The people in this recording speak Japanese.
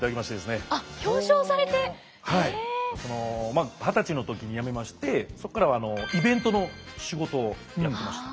まあ二十歳の時に辞めましてそこからはイベントの仕事をやってました。